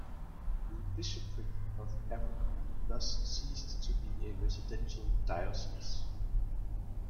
The bishopric of Abercorn thus ceased to be a residential diocese.